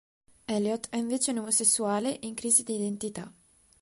Eliot è invece un omosessuale in crisi di identità.